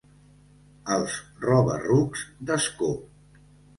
Els roba-rucs d'Ascó.